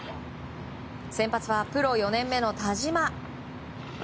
先発はプロ４年目の田嶋。